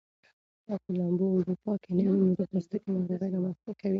که د لامبو اوبه پاکې نه وي نو د پوستکي ناروغۍ رامنځته کوي.